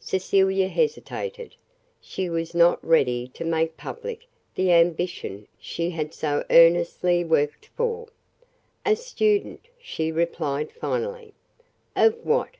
Cecilia hesitated. She was not yet ready to make public the ambition she had so earnestly worked for. "A student," she replied finally. "Of what?"